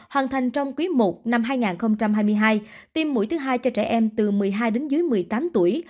hoàn thành trong quý i năm hai nghìn hai mươi hai tiêm mũi thứ hai cho trẻ em từ một mươi hai đến dưới một mươi tám tuổi